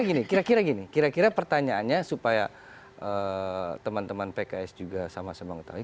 gini kira kira gini kira kira pertanyaannya supaya teman teman pks juga sama sama mengetahui